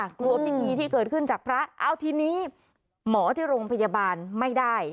กลัวพิธีที่เกิดขึ้นจากพระเอาทีนี้หมอที่โรงพยาบาลไม่ได้